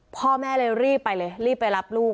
พ่อแม่เลยรีบไปเลยรีบไปรับลูก